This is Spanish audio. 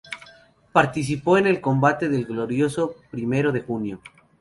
Participó en el combate del Glorioso Primero de Junio.